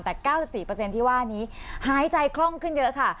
แต่๙๔ที่ว่านี้หายใจคล่องขึ้นเยอะค่ะ